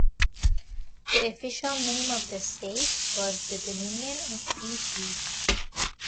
The official name of the state was the "Dominion of Fiji".